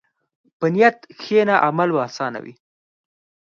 په نیت کښېنه، عمل به اسانه وي.